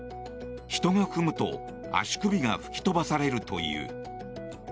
人が踏むと足首が吹き飛ばされるという。